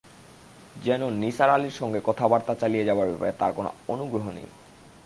যেন নিসার আলির সঙ্গে কথাবার্তা চালিয়ে যাবার ব্যাপারে তার কোনো অনুগ্রহ নেই।